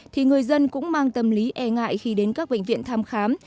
thì người dân cũng mang tâm lý e ngại khi đến các bệnh viện thăm khám